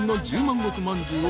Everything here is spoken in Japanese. でまんじゅうを。